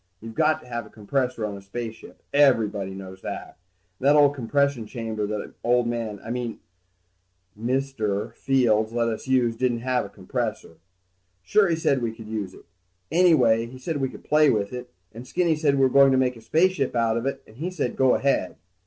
You've got to have a compressor on a spaceship, everybody knows that. And that old compression chamber that old man ... I mean Mr. Fields let us use didn't have a compressor. Sure he said we could use it. Anyway he said we could play with it, and Skinny said we were going to make a spaceship out of it, and he said go ahead.